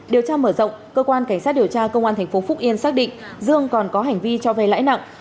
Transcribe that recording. điều tra mở rộng cơ quan cảnh sát điều tra công an tp phúc yên xác định dương còn có hành vi cho vay lãi nặng